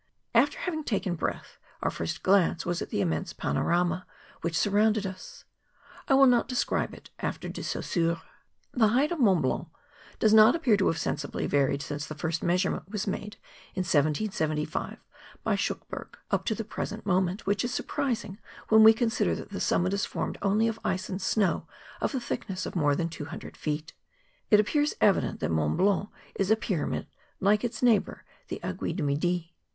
After having taken breath, our first glance was at the immense panorama which surrounded us; I will not describe it after De Saussure. The height of Mont Blanc does not appear to have sensibly varied since the first measurement was made, in 1775, by Shuckburgh, up to the present moment, which is surprising when we consider that the summit is formed only of ice and snow of the thickness of more than 200 feet. It appears evident that Mont Blanc is a pyramid like its neighbour, the Aiguille du Midi.